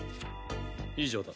以上だ。